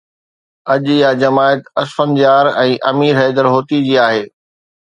اڄ اها جماعت اسفند يار ۽ امير حيدر هوتي جي آهي.